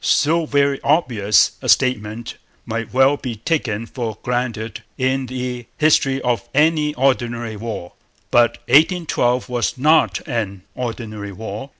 So very obvious a statement might well be taken for granted in the history of any ordinary war. But '1812' was not an ordinary war.